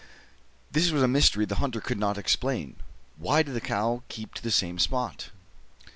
This was a mystery the hunter could not explain. Why did the cow keep to the same spot?